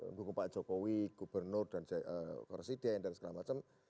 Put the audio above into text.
keputusan pak jokowi gubernur dan koresiden dan segala macam